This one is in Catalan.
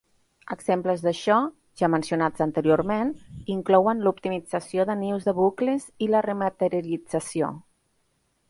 Exemples d'això, ja mencionats anteriorment, inclouen l'optimització de nius de bucles i la rematerialització.